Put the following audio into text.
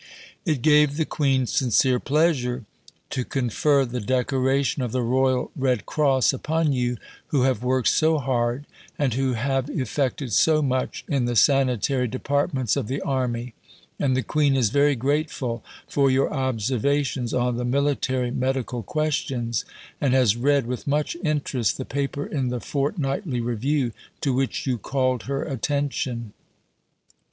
It gave The Queen sincere pleasure to confer the decoration of the Royal Red Cross upon you, who have worked so hard and who have effected so much in the Sanitary Departments of the Army, and The Queen is very grateful for your observations on the Military Medical questions, and has read with much interest the paper in the Fortnightly Review to which you called her attention.